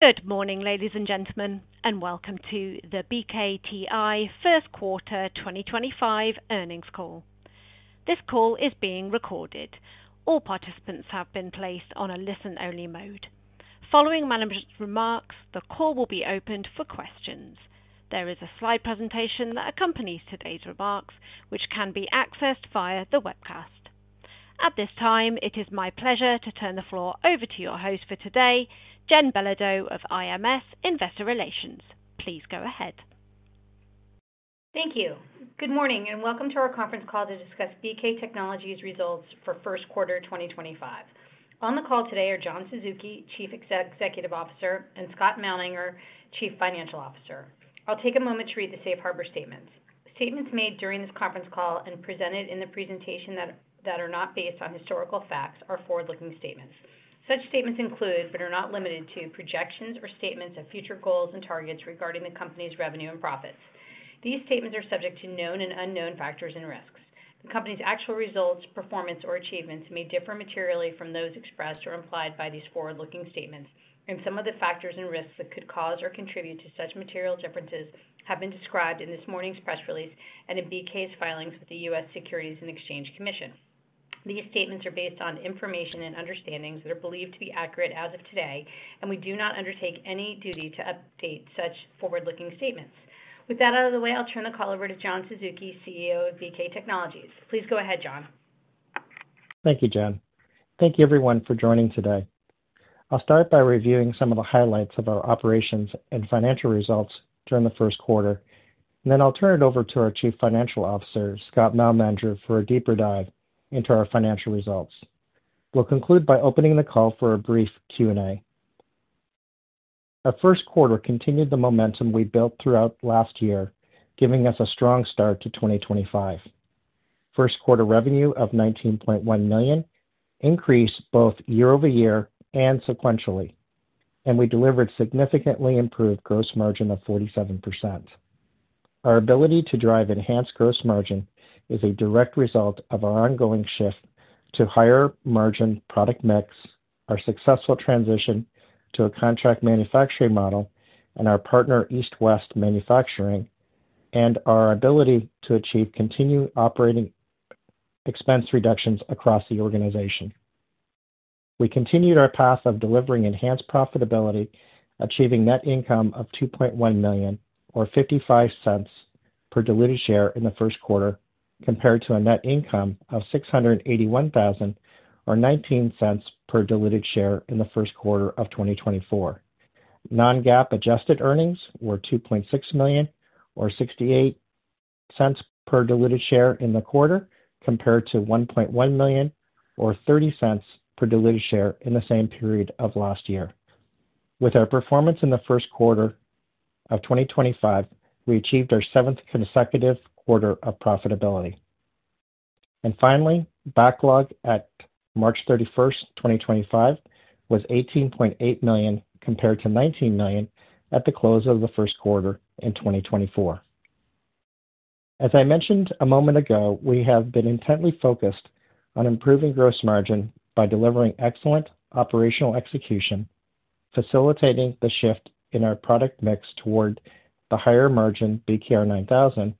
Good morning, ladies and gentlemen, and welcome to the BKTI First Quarter 2025 Earnings Call. This call is being recorded. All participants have been placed on a listen-only mode. Following Manager's remarks, the call will be opened for questions. There is a slide presentation that accompanies today's remarks, which can be accessed via the webcast. At this time, it is my pleasure to turn the floor over to your host for today, Jen Belodeau of IMS Investor Relations. Please go ahead. Thank you. Good morning and welcome to our conference call to discuss BK Technologies' results for First Quarter 2025. On the call today are John Suzuki, Chief Executive Officer, and Scott Malmanger, Chief Financial Officer. I'll take a moment to read the safe harbor statements. Statements made during this conference call and presented in the presentation that are not based on historical facts are forward-looking statements. Such statements include, but are not limited to, projections or statements of future goals and targets regarding the company's revenue and profits. These statements are subject to known and unknown factors and risks. The company's actual results, performance, or achievements may differ materially from those expressed or implied by these forward-looking statements, and some of the factors and risks that could cause or contribute to such material differences have been described in this morning's press release and in BK's filings with the U.S. Securities and Exchange Commission. These statements are based on information and understandings that are believed to be accurate as of today, and we do not undertake any duty to update such forward-looking statements. With that out of the way, I'll turn the call over to John Suzuki, CEO of BK Technologies. Please go ahead, John. Thank you, Jen. Thank you, everyone, for joining today. I'll start by reviewing some of the highlights of our operations and financial results during the first quarter, and then I'll turn it over to our Chief Financial Officer, Scott Malmanger, for a deeper dive into our financial results. We'll conclude by opening the call for a brief Q&A. Our first quarter continued the momentum we built throughout last year, giving us a strong start to 2025. First quarter revenue of $19.1 million increased both year-over-year and sequentially, and we delivered a significantly improved gross margin of 47%. Our ability to drive enhanced gross margin is a direct result of our ongoing shift to a higher margin product mix, our successful transition to a contract manufacturing model and our partner East West Manufacturing, and our ability to achieve continued operating expense reductions across the organization. We continued our path of delivering enhanced profitability, achieving net income of $2.1 million, or $0.55 per diluted share in the first quarter, compared to a net income of $681,000, or $0.19 per diluted share in the first quarter of 2024. Non-GAAP adjusted earnings were $2.6 million, or $0.68 per diluted share in the quarter, compared to $1.1 million, or $0.30 per diluted share in the same period of last year. With our performance in the first quarter of 2025, we achieved our seventh consecutive quarter of profitability. Finally, backlog at March 31st, 2025, was $18.8 million compared to $19 million at the close of the first quarter in 2024. As I mentioned a moment ago, we have been intently focused on improving gross margin by delivering excellent operational execution, facilitating the shift in our product mix toward the higher margin BKR 9000,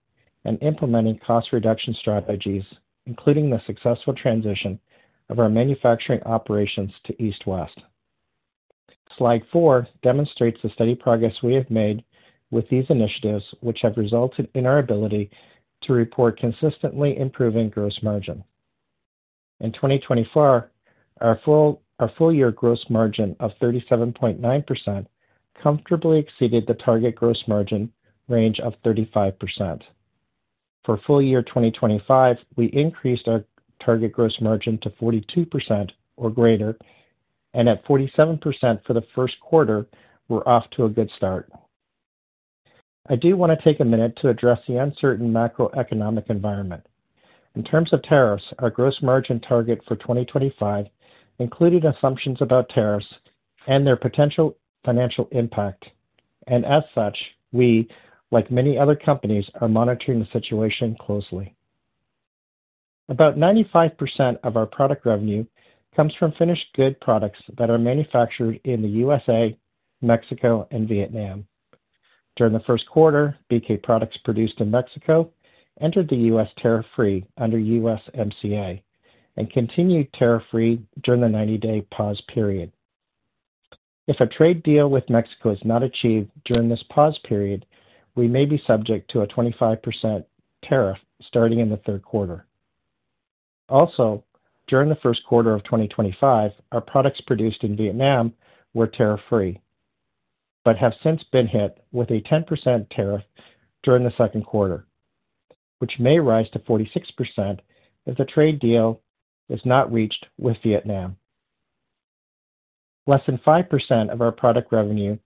and implementing cost reduction strategies, including the successful transition of our manufacturing operations to East West. Slide four demonstrates the steady progress we have made with these initiatives, which have resulted in our ability to report consistently improving gross margin. In 2024, our full-year gross margin of 37.9% comfortably exceeded the target gross margin range of 35%. For full-year 2025, we increased our target gross margin to 42% or greater, and at 47% for the first quarter, we're off to a good start. I do want to take a minute to address the uncertain macroeconomic environment. In terms of tariffs, our gross margin target for 2025 included assumptions about tariffs and their potential financial impact, and as such, we, like many other companies, are monitoring the situation closely. About 95% of our product revenue comes from finished goods products that are manufactured in the U.S., Mexico, and Vietnam. During the first quarter, BK products produced in Mexico entered the U.S. tariff-free under USMCA and continued tariff-free during the 90-day pause period. If a trade deal with Mexico is not achieved during this pause period, we may be subject to a 25% tariff starting in the third quarter. Also, during the first quarter of 2025, our products produced in Vietnam were tariff-free but have since been hit with a 10% tariff during the second quarter, which may rise to 46% if the trade deal is not reached with Vietnam. Less than 5% of our product revenue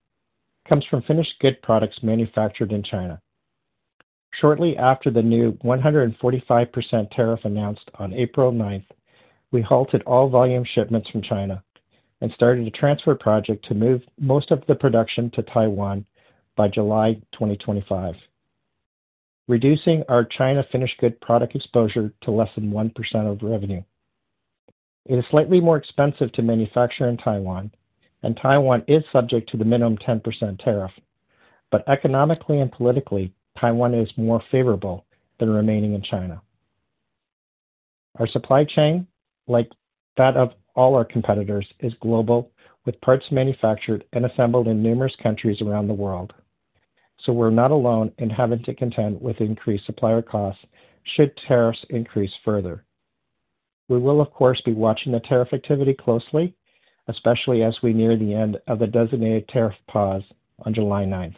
comes from finished goods products manufactured in China. Shortly after the new 145% tariff announced on April 9, we halted all volume shipments from China and started a transfer project to move most of the production to Taiwan by July 2025, reducing our China finished goods product exposure to less than 1% of revenue. It is slightly more expensive to manufacture in Taiwan, and Taiwan is subject to the minimum 10% tariff, but economically and politically, Taiwan is more favorable than remaining in China. Our supply chain, like that of all our competitors, is global, with parts manufactured and assembled in numerous countries around the world, so we're not alone in having to contend with increased supplier costs should tariffs increase further. We will, of course, be watching the tariff activity closely, especially as we near the end of the designated tariff pause on July 9th.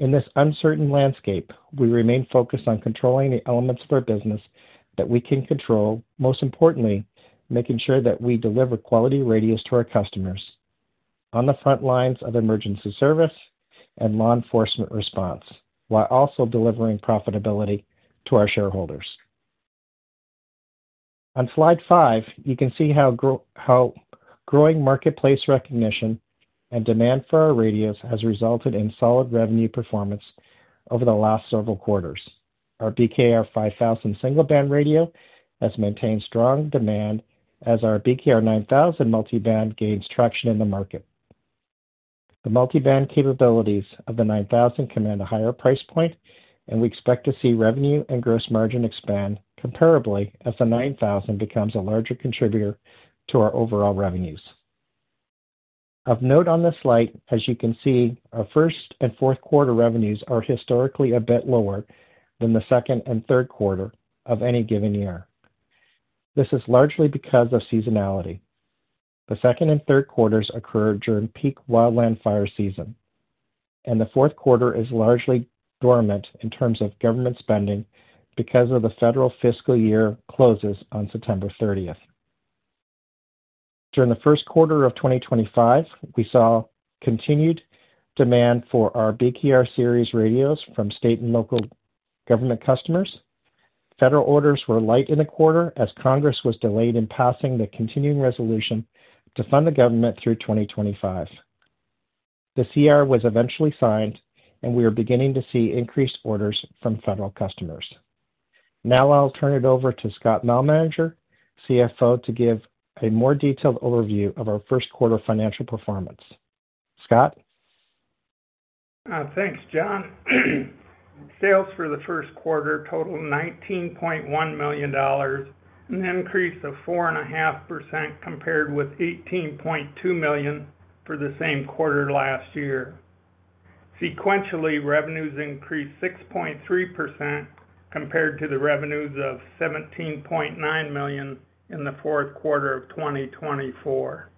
In this uncertain landscape, we remain focused on controlling the elements of our business that we can control, most importantly, making sure that we deliver quality radios to our customers on the front lines of emergency service and law enforcement response, while also delivering profitability to our shareholders. On Slide five, you can see how growing marketplace recognition and demand for our radios has resulted in solid revenue performance over the last several quarters. Our BKR 5000 single-band radio has maintained strong demand as our BKR 9000 multi-band gains traction in the market. The multi-band capabilities of the 9000 command a higher price point, and we expect to see revenue and gross margin expand comparably as the 9000 becomes a larger contributor to our overall revenues. Of note on this slide, as you can see, our first and fourth quarter revenues are historically a bit lower than the second and third quarter of any given year. This is largely because of seasonality. The second and third quarters occur during peak wildland fire season, and the fourth quarter is largely dormant in terms of government spending because the federal fiscal year closes on September 30. During the first quarter of 2025, we saw continued demand for our BKR series radios from state and local government customers. Federal orders were light in the quarter as Congress was delayed in passing the continuing resolution to fund the government through 2025. The CR was eventually signed, and we are beginning to see increased orders from federal customers. Now I'll turn it over to Scott Malmanger, CFO, to give a more detailed overview of our first quarter financial performance. Scott? Thanks, John. Sales for the first quarter totaled $19.1 million, an increase of 4.5% compared with $18.2 million for the same quarter last year. Sequentially, revenues increased 6.3% compared to the revenues of $17.9 million in the fourth quarter of 2024.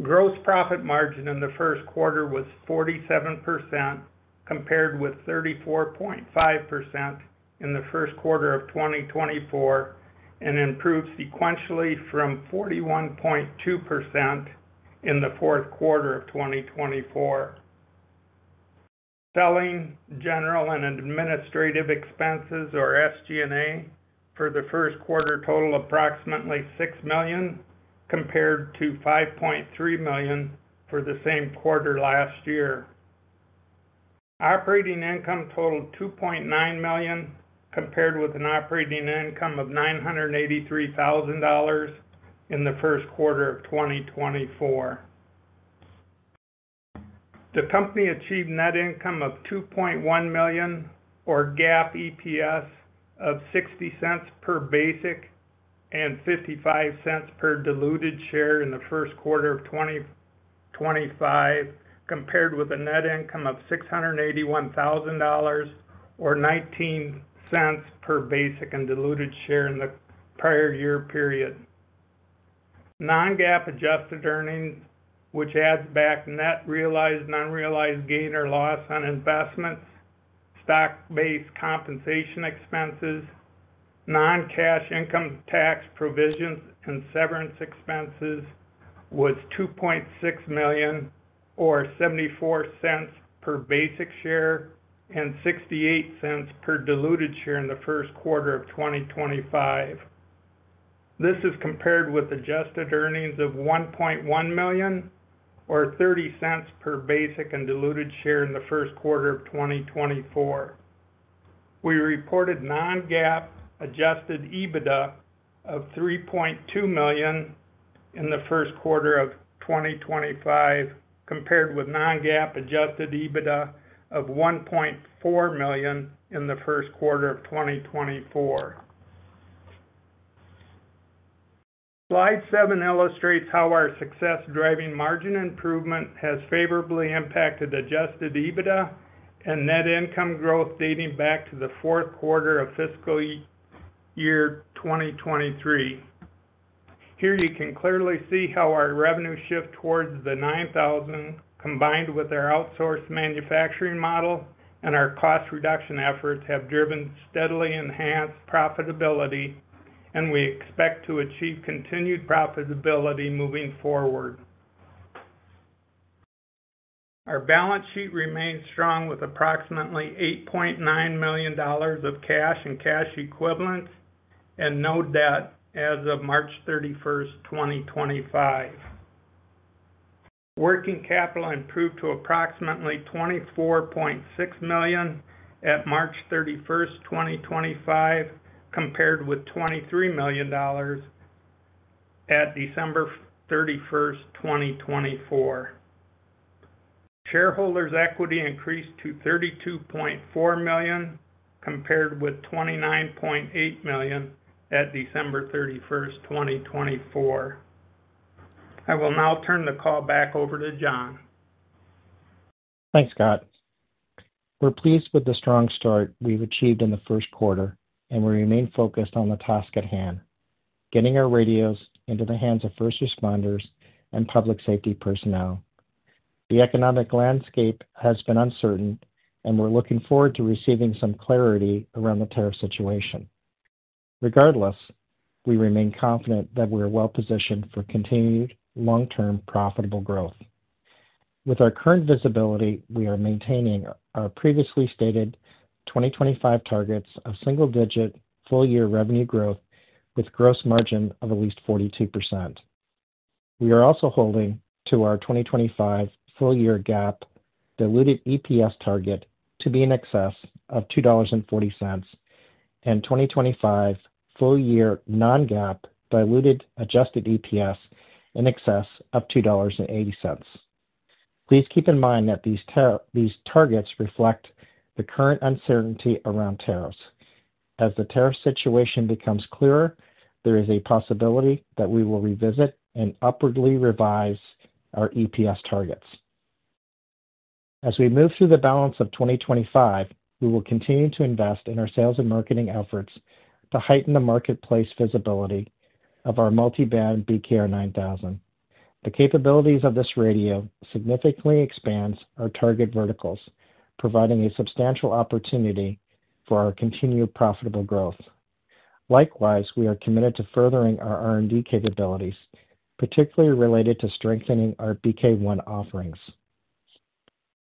Gross profit margin in the first quarter was 47% compared with 34.5% in the first quarter of 2024 and improved sequentially from 41.2% in the fourth quarter of 2024. Selling, general, and administrative expenses, or SG&A, for the first quarter totaled approximately $6 million compared to $5.3 million for the same quarter last year. Operating income totaled $2.9 million compared with an operating income of $983,000 in the first quarter of 2024. The company achieved net income of $2.1 million, or GAAP EPS, of $0.60 per basic and $0.55 per diluted share in the first quarter of 2025, compared with a net income of $681,000, or $0.19 per basic and diluted share in the prior year period. Non-GAAP adjusted earnings, which adds back net realized and unrealized gain or loss on investments, stock-based compensation expenses, non-cash income tax provisions, and severance expenses, was $2.6 million, or $0.74 per basic share and $0.68 per diluted share in the first quarter of 2025. This is compared with adjusted earnings of $1.1 million, or $0.30 per basic and diluted share in the first quarter of 2024. We reported non-GAAP Adjusted EBITDA of $3.2 million in the first quarter of 2025, compared with non-GAAP Adjusted EBITDA of $1.4 million in the first quarter of 2024. Slide 7 illustrates how our success driving margin improvement has favorably impacted Adjusted EBITDA and net income growth dating back to the fourth quarter of fiscal year 2023. Here you can clearly see how our revenue shift towards the 9000, combined with our outsourced manufacturing model and our cost reduction efforts, have driven steadily enhanced profitability, and we expect to achieve continued profitability moving forward. Our balance sheet remains strong with approximately $8.9 million of cash and cash equivalents and no debt as of March 31st, 2025. Working capital improved to approximately $24.6 million at March 31, 2025, compared with $23 million at December 31st, 2024. Shareholders' equity increased to $32.4 million compared with $29.8 million at December 31st, 2024. I will now turn the call back over to John. Thanks, Scott. We're pleased with the strong start we've achieved in the first quarter, and we remain focused on the task at hand: getting our radios into the hands of first responders and public safety personnel. The economic landscape has been uncertain, and we're looking forward to receiving some clarity around the tariff situation. Regardless, we remain confident that we are well-positioned for continued long-term profitable growth. With our current visibility, we are maintaining our previously stated 2025 targets of single-digit full-year revenue growth with gross margin of at least 42%. We are also holding to our 2025 full-year GAAP diluted EPS target to be in excess of $2.40 and 2025 full-year non-GAAP diluted adjusted EPS in excess of $2.80. Please keep in mind that these targets reflect the current uncertainty around tariffs. As the tariff situation becomes clearer, there is a possibility that we will revisit and upwardly revise our EPS targets. As we move through the balance of 2025, we will continue to invest in our sales and marketing efforts to heighten the marketplace visibility of our multi-band BKR 9000. The capabilities of this radio significantly expand our target verticals, providing a substantial opportunity for our continued profitable growth. Likewise, we are committed to furthering our R&D capabilities, particularly related to strengthening our BK1 offerings.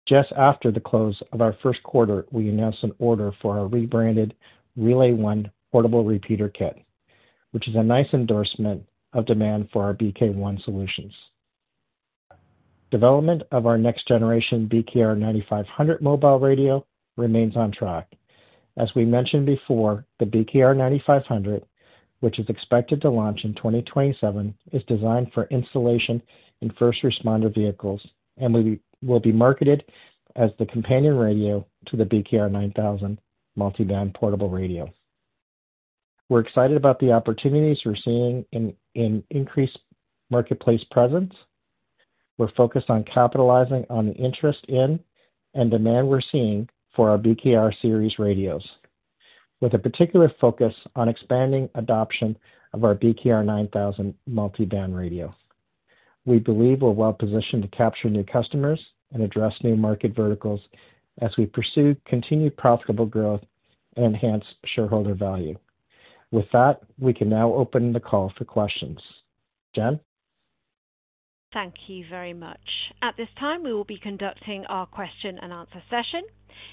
Just after the close of our first quarter, we announced an order for our rebranded Relay One portable repeater kit, which is a nice endorsement of demand for our BK1 solutions. Development of our next-generation BKR 9500 mobile radio remains on track. As we mentioned before, the BKR 9500, which is expected to launch in 2027, is designed for installation in first responder vehicles and will be marketed as the companion radio to the BKR 9000 multi-band portable radio. We're excited about the opportunities we're seeing in increased marketplace presence. We're focused on capitalizing on the interest in and demand we're seeing for our BKR series radios, with a particular focus on expanding adoption of our BKR 9000 multi-band radio. We believe we're well-positioned to capture new customers and address new market verticals as we pursue continued profitable growth and enhance shareholder value. With that, we can now open the call for questions. Jen? Thank you very much. At this time, we will be conducting our question-and-answer session.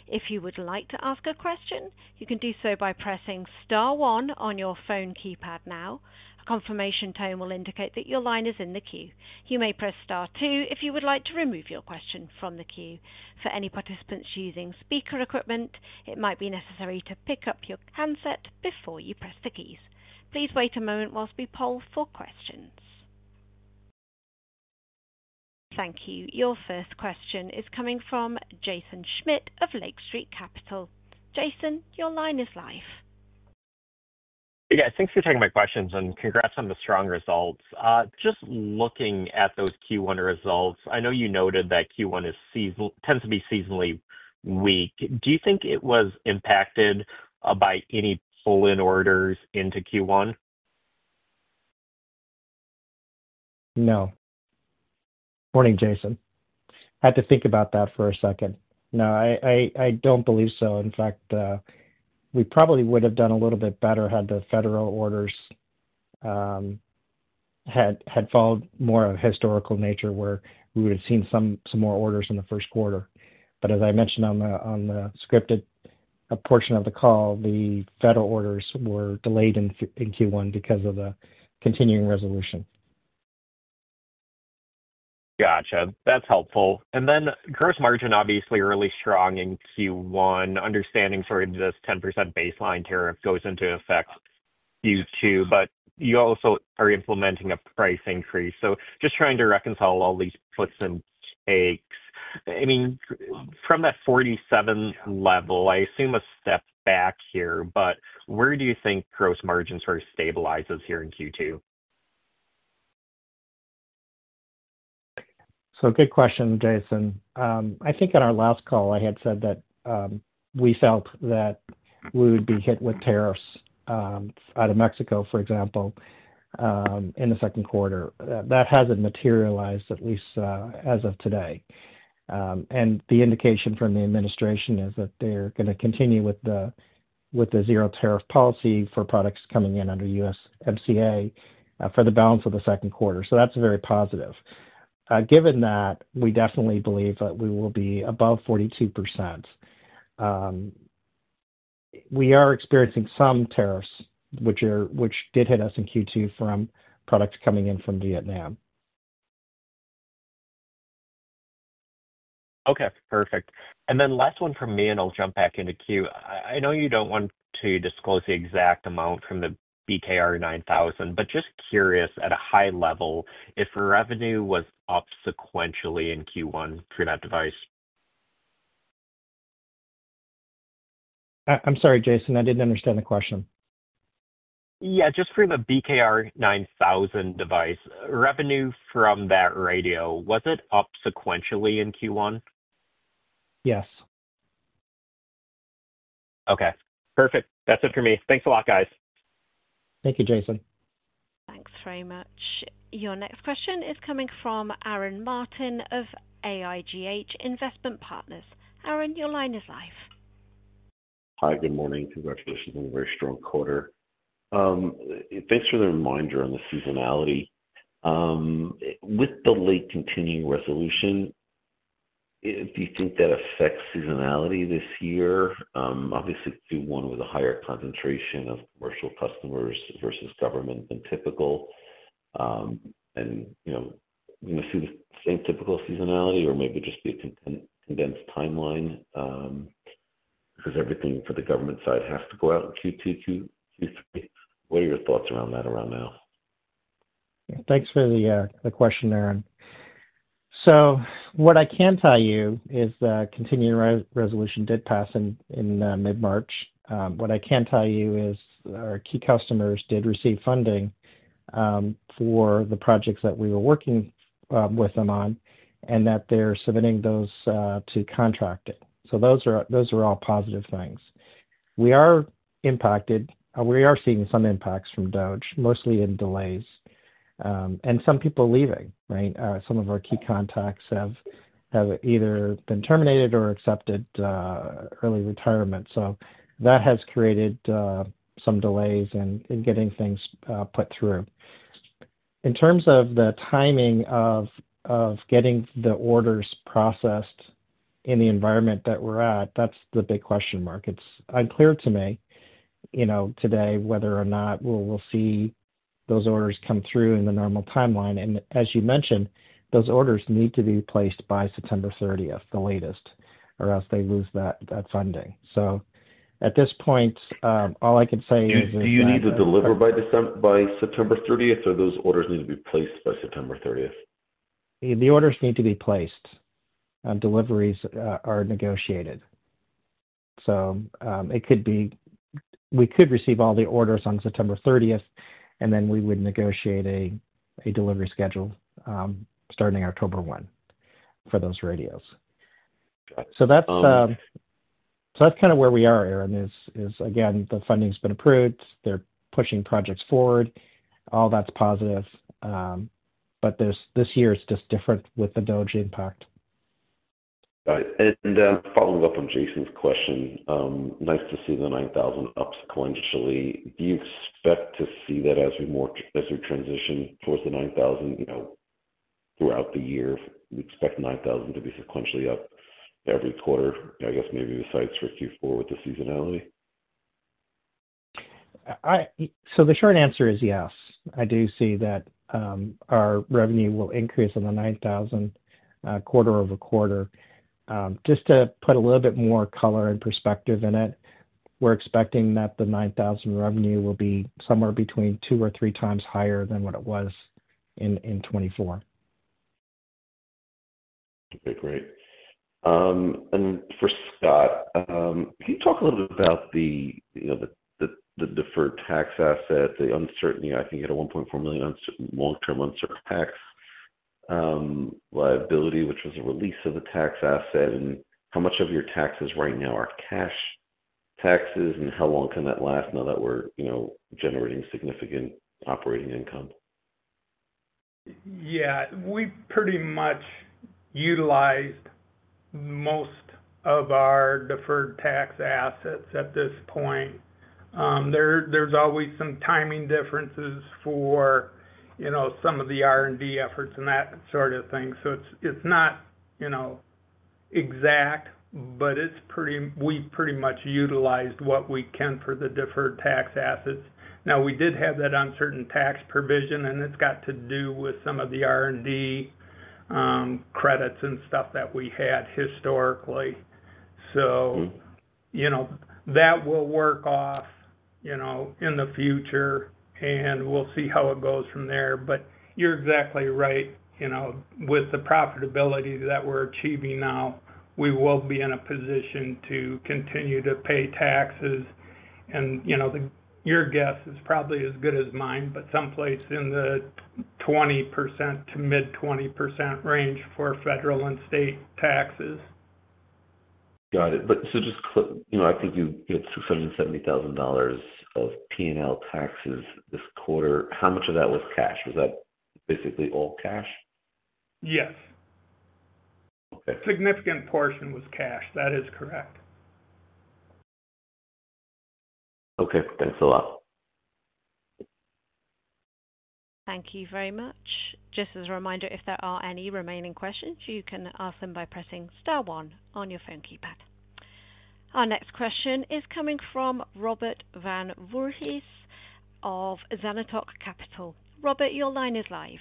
If you would like to ask a question, you can do so by pressing star one on your phone keypad now. A confirmation tone will indicate that your line is in the queue. You may press star two if you would like to remove your question from the queue. For any participants using speaker equipment, it might be necessary to pick up your handset before you press the keys. Please wait a moment while we poll for questions. Thank you. Your first question is coming from Jaeson Schmidt of Lake Street Capital. Jaeson, your line is live. Yeah, thanks for taking my questions and congrats on the strong results. Just looking at those Q1 results, I know you noted that Q1 tends to be seasonally weak. Do you think it was impacted by any pulling orders into Q1? No. Morning, Jaeson. I had to think about that for a second. No, I do not believe so. In fact, we probably would have done a little bit better had the federal orders had followed more of a historical nature where we would have seen some more orders in the first quarter. As I mentioned on the scripted portion of the call, the federal orders were delayed in Q1 because of the continuing resolution. Gotcha. That's helpful. And then gross margin obviously really strong in Q1. Understanding sort of this 10% baseline tariff goes into effect due to, but you also are implementing a price increase. So just trying to reconcile all these puts and takes. I mean, from that 47 level, I assume a step back here, but where do you think gross margin sort of stabilizes here in Q2? Good question, Jaeson. I think at our last call, I had said that we felt that we would be hit with tariffs out of Mexico, for example, in the second quarter. That has not materialized at least as of today. The indication from the administration is that they are going to continue with the zero-tariff policy for products coming in under USMCA for the balance of the second quarter. That is very positive. Given that, we definitely believe that we will be above 42%. We are experiencing some tariffs, which did hit us in Q2 from products coming in from Vietnam. Okay. Perfect. And then last one from me, and I'll jump back into queue. I know you don't want to disclose the exact amount from the BKR 9000, but just curious at a high level, if revenue was up sequentially in Q1 for that device? I'm sorry, Jaeson. I didn't understand the question. Yeah, just for the BKR 9000 device, revenue from that radio, was it up sequentially in Q1? Yes. Okay. Perfect. That's it for me. Thanks a lot, guys. Thank you, Jaeson. Thanks very much. Your next question is coming from Aaron Martin of AIGH Investment Partners. Aaron, your line is live. Hi, good morning. Congratulations on a very strong quarter. Thanks for the reminder on the seasonality. With the late continuing resolution, do you think that affects seasonality this year? Obviously, Q1 with a higher concentration of commercial customers versus government than typical. Are we going to see the same typical seasonality or maybe just be a condensed timeline because everything for the government side has to go out in Q2, Q3? What are your thoughts around that around now? Thanks for the question, Aaron. What I can tell you is the continuing resolution did pass in mid-March. What I can tell you is our key customers did receive funding for the projects that we were working with them on and that they're submitting those to contracting. Those are all positive things. We are impacted. We are seeing some impacts from DOGE, mostly in delays and some people leaving, right? Some of our key contacts have either been terminated or accepted early retirement. That has created some delays in getting things put through. In terms of the timing of getting the orders processed in the environment that we're at, that's the big question mark. It's unclear to me today whether or not we'll see those orders come through in the normal timeline. As you mentioned, those orders need to be placed by September 30th, the latest, or else they lose that funding. At this point, all I can say is that. Do you need to deliver by September 30th, or those orders need to be placed by September 30th? The orders need to be placed. Deliveries are negotiated. We could receive all the orders on September 30th, and then we would negotiate a delivery schedule starting October 1 for those radios. That is kind of where we are, Aaron, is, again, the funding's been approved. They're pushing projects forward. All that's positive. This year is just different with the DOGE impact. Got it. Following up on Jaeson's question, nice to see the 9000 up sequentially. Do you expect to see that as we transition towards the 9000 throughout the year? We expect 9000 to be sequentially up every quarter, I guess, maybe besides for Q4 with the seasonality. The short answer is yes. I do see that our revenue will increase in the 9000 quarter over quarter. Just to put a little bit more color and perspective in it, we're expecting that the 9000 revenue will be somewhere between two or three times higher than what it was in 2024. Okay, great. For Scott, can you talk a little bit about the deferred tax asset, the uncertainty, I think, at a $1.4 million long-term uncertain tax liability, which was a release of the tax asset, and how much of your taxes right now are cash taxes and how long can that last now that we're generating significant operating income? Yeah. We pretty much utilized most of our deferred tax assets at this point. There's always some timing differences for some of the R&D efforts and that sort of thing. So it's not exact, but we've pretty much utilized what we can for the deferred tax assets. Now, we did have that uncertain tax provision, and it's got to do with some of the R&D credits and stuff that we had historically. That will work off in the future, and we'll see how it goes from there. You're exactly right. With the profitability that we're achieving now, we will be in a position to continue to pay taxes. Your guess is probably as good as mine, but someplace in the 20%-mid-20% range for federal and state taxes. Got it. Just I think you had $670,000 of P&L taxes this quarter. How much of that was cash? Was that basically all cash? Yes. Okay. Significant portion was cash. That is correct. Okay. Thanks a lot. Thank you very much. Just as a reminder, if there are any remaining questions, you can ask them by pressing Star 1 on your phone keypad. Our next question is coming from Robert Van Voorhis of Vanatoc Capital. Robert, your line is live.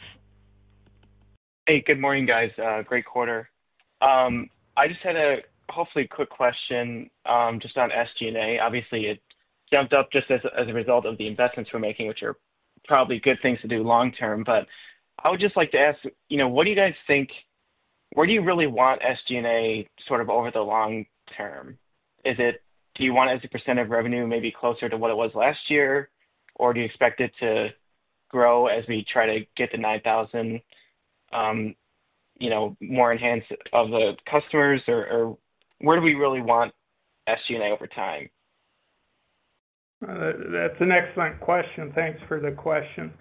Hey, good morning, guys. Great quarter. I just had a hopefully quick question just on SG&A. Obviously, it jumped up just as a result of the investments we're making, which are probably good things to do long term. I would just like to ask, what do you guys think? Where do you really want SG&A sort of over the long term? Do you want as a % of revenue maybe closer to what it was last year, or do you expect it to grow as we try to get the 9000 more enhanced to the customers, or where do we really want SG&A over time? That's an excellent question. Thanks for the question.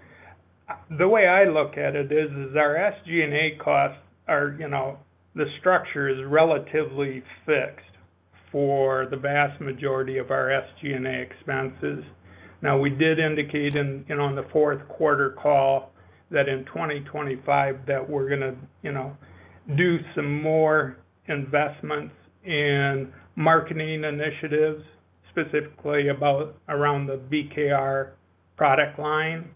The way I look at it is our SG&A costs, the structure is relatively fixed for the vast majority of our SG&A expenses. Now, we did indicate on the fourth quarter call that in 2025 that we're going to do some more investments in marketing initiatives, specifically around the BKR product line.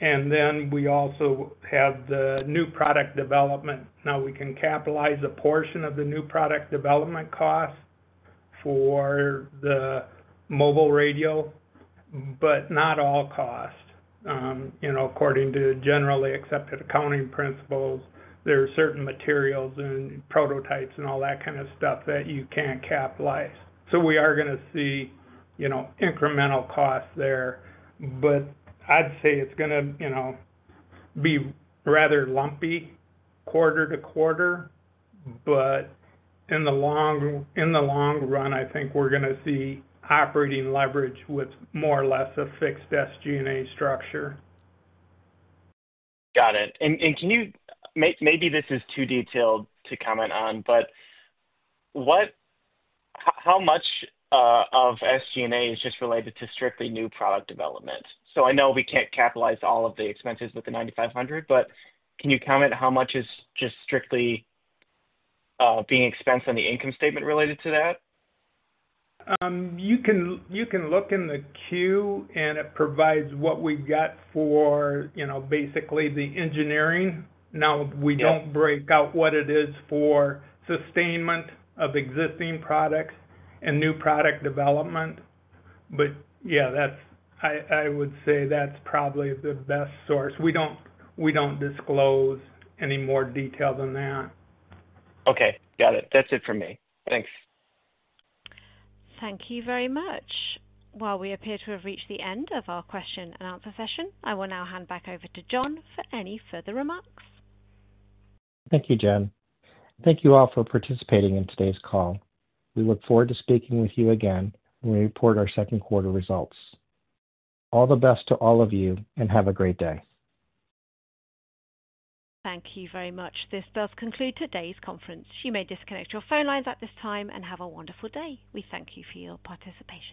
Then we also have the new product development. Now, we can capitalize a portion of the new product development costs for the mobile radio, but not all costs. According to generally accepted accounting principles, there are certain materials and prototypes and all that kind of stuff that you can't capitalize. We are going to see incremental costs there, but I'd say it's going to be rather lumpy quarter to quarter. In the long run, I think we're going to see operating leverage with more or less a fixed SG&A structure. Got it. Maybe this is too detailed to comment on, but how much of SG&A is just related to strictly new product development? I know we can't capitalize all of the expenses with the 9,500, but can you comment how much is just strictly being expensed on the income statement related to that? You can look in the queue, and it provides what we've got for basically the engineering. Now, we don't break out what it is for sustainment of existing products and new product development. Yeah, I would say that's probably the best source. We don't disclose any more detail than that. Okay. Got it. That's it for me. Thanks. Thank you very much. We appear to have reached the end of our question and answer session. I will now hand back over to John for any further remarks. Thank you, Jen. Thank you all for participating in today's call. We look forward to speaking with you again when we report our second quarter results. All the best to all of you, and have a great day. Thank you very much. This does conclude today's conference. You may disconnect your phone lines at this time and have a wonderful day. We thank you for your participation.